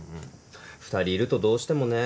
２人いるとどうしてもね。